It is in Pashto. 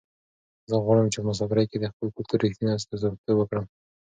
زه غواړم چې په مسافرۍ کې د خپل کلتور رښتنې استازیتوب وکړم.